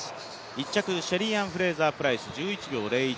１着、シェリーアン・フレイザープライス、１１秒０１。